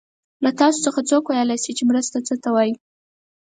له تاسو څخه څوک ویلای شي چې مرسته څه ته وايي؟